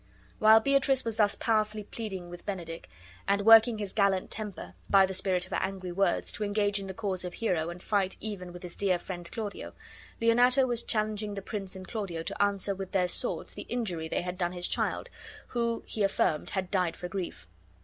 While Beatrice was thus powerfully pleading with Benedick, and working his gallant temper, by the spirit of her angry words, to engage in the cause of Hero and fight even with his dear friend Claudio, Leonato was challenging the prince and Claudio to answer with their swords the injury they had done his child, who, be affirmed, had died for grief.